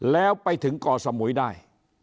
แล้วไปถึงก่อสมุยได้